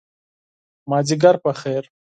مازدیګر په خیر !